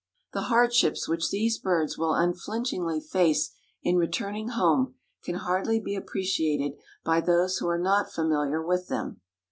The hardships which these birds will unflinchingly face in returning home can hardly be appreciated by those who are not familiar with them.